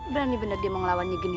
berani benar dia mau ngelawannya gini